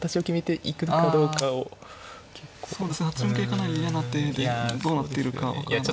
かなり嫌な手でどうなっているか分からなかった。